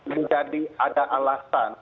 menjadi ada alasan